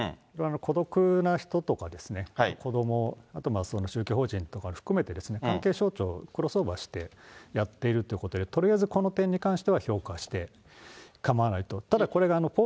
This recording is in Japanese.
孤独な人とかですね、子ども、あと宗教法人とか含めて、関係省庁、クロスオーバーして、やっているということで、とりあえずこの点に関しては評価して構わないと。